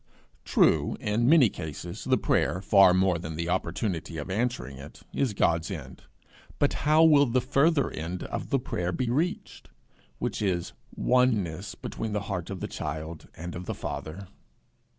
True, in many cases, the prayer, far more than the opportunity of answering it, is God's end; but how will the further end of the prayer be reached, which is oneness between the heart of the child and of the Father?